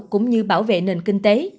cũng như bảo vệ nền kinh tế